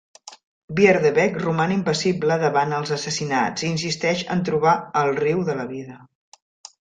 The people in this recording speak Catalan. Bierdebeck roman impassible davant els assassinats i insisteix en trobar el riu de la vida.